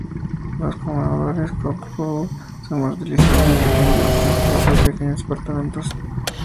Los conmutadores "cut-through" son más utilizados en pequeños grupos de trabajo y pequeños departamentos.